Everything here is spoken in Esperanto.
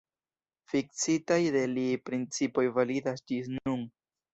Fiksitaj de li principoj validas ĝis nun.